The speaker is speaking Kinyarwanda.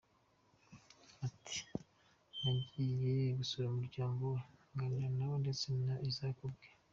Ati “ Nagiye gusura umuryango we, nganira nabo, ndetse na Isaac ubwe.